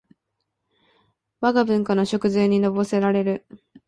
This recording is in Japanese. わが文化の食膳にのぼせられる